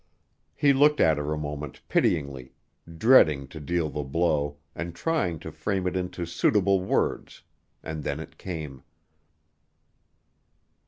He looked at her a moment pityingly, dreading to deal the blow, and trying to frame it into suitable words and then it came.